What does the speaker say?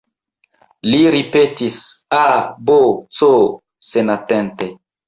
Li ripetis, A, B, C, senatente.